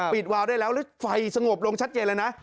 ปิดวาวได้แล้วแล้วไฟสงบลงชัดเย็นแล้วนะ